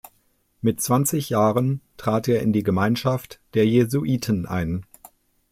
Mit zwanzig Jahren trat er in die Gemeinschaft der Jesuiten ein.